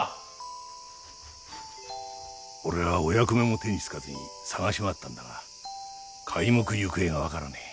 俺はお役目も手につかずに捜し回ったんだが皆目行方が分からねえ。